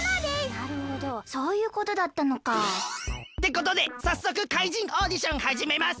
なるほどそういうことだったのか。ってことでさっそく怪人オーディションはじめます！